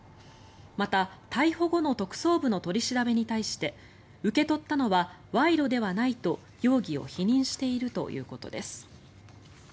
また、逮捕後の特捜部の取り調べに対して受け取ったのは賄賂ではないと容疑を否認しているということです。